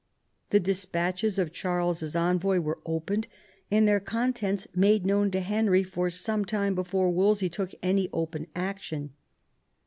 The despatches of Charles's envoy were opened and their contents made known to Henry for some time before Wolsey took any open action.